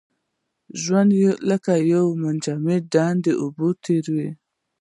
ژوند لکه د یو منجمد ډنډ اوبه تېروي.